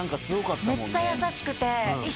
めっちゃ優しくて。